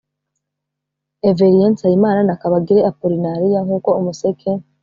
Everien Nsabimana na Kabagire Apollinariya nkuko Umuseke